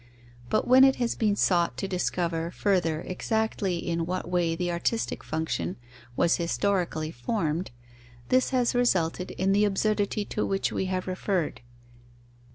But when it has been sought to discover further exactly in what way the artistic function was historically formed, this has resulted in the absurdity to which we have referred.